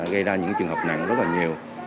gây ra những trường hợp nặng rất là nhiều